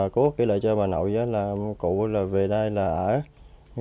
cô kể lại cho bà nội là cụ về đây là ở